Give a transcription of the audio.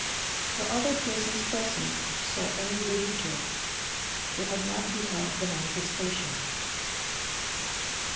The other persons present saw only the yujô: they had not beheld the manifestation.